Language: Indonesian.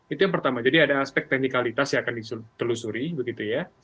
itu yang pertama jadi ada aspek teknikalitas yang akan ditelusuri begitu ya